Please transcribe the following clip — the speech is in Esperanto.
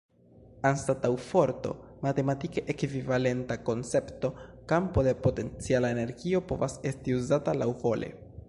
Anstataŭ forto, matematike ekvivalenta koncepto, kampo de potenciala energio, povas esti uzata laŭvole.